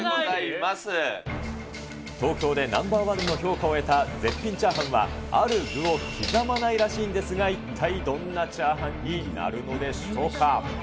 東京でナンバーワンの評価を得た絶品チャーハンは、ある具を刻まないらしいんですが、一体どんなチャーハンになるのでしょうか。